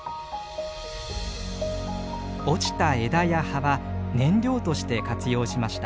落ちた枝や葉は燃料として活用しました。